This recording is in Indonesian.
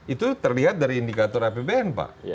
itu terlihat dari indikator apbn pak